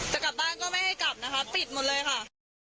กลับบ้านก็ไม่ให้กลับนะคะปิดหมดเลยค่ะ